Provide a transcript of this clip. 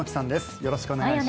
よろしくお願いします。